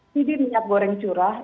sidi minyak goreng curah